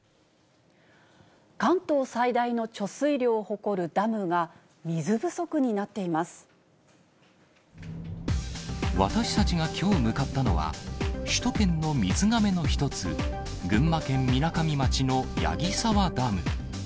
関東最大の貯水量を誇るダム私たちがきょう向かったのは、首都圏の水がめの一つ、群馬県みなかみ町の矢木沢ダム。